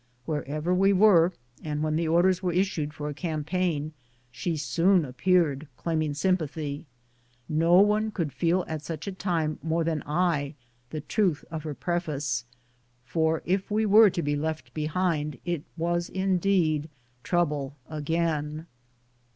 Wherever we were, when the orders were issued for a campaign, she soon appeared claiming sym pathy. 'No one could feel at such a time more than I the truth of her preface, for if we were to be left be hind, it was, indeed, " Trouble again."